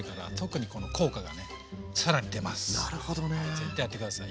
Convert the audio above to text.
絶対やって下さい。